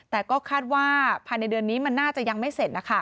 แต่ก็คาดว่าภายในเดือนนี้มันน่าจะยังไม่เสร็จนะคะ